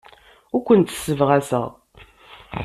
Ur kent-ssebɣaseɣ.